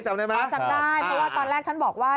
ได้ไหมจำได้เพราะว่าตอนแรกท่านบอกว่า